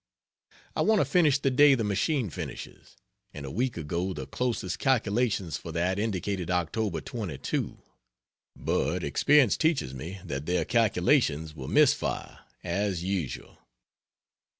I want to finish the day the machine finishes, and a week ago the closest calculations for that indicated Oct. 22 but experience teaches me that their calculations will miss fire, as usual.